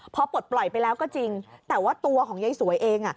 พอปลดปล่อยไปแล้วก็จริงแต่ว่าตัวของยายสวยเอง